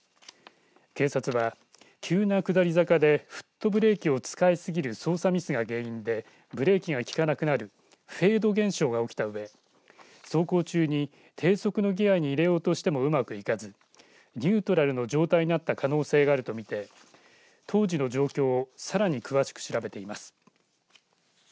警察は、急な下り坂でフットブレーキを使いすぎる操作ミスが原因でブレーキが利かなくなるフェード現象が起きたうえ走行中に低速のギアに入れようとしてもうまくいかずニュートラルの状態になった可能性があるとみて当時の状況をさらに詳しく調べています。